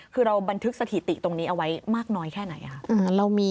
คือเราบันทึกสถิติตรงนี้เอาไว้มากน้อยแค่ไหนครับ